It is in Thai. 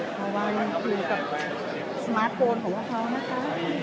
เพราะว่ายังคุยกับสมาร์ทโฟนของพวกเขานะคะ